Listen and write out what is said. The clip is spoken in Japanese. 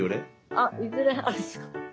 あっいずれあるんですか？